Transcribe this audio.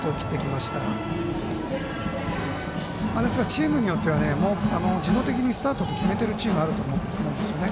チームによっては自動的にスタートと決めてるチームがあると思うんですよね。